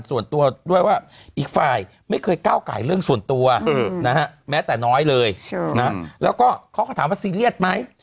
ส่วนตัวด้วยว่าอีกฝ่ายไม่เคยก้าวไก่เรื่องส่วนตัวนะฮะแม้แต่น้อยเลยนะแล้วก็เขาก็ถามว่าซีเรียสไหม